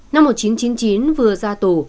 năm một nghìn chín trăm chín mươi chín vừa ra tù